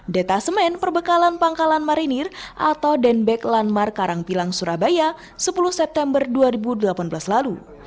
detasemen perbekalan pangkalan marinir atau denback lanmar karangpilang surabaya sepuluh september dua ribu delapan belas lalu